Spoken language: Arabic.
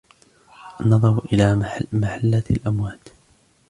النَّظَرُ إلَى مَحَلَّةِ الْأَمْوَاتِ